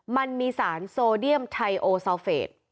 มันมีสารโซเดียมไทโอซอเฟส